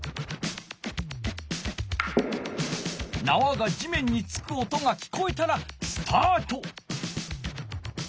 なわが地面に着く音が聞こえたらスタート。